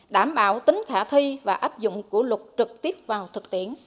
đảm bảo tính khả thi và áp dụng của luật trực tiếp vào thực tiễn